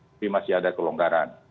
tapi masih ada kelonggaran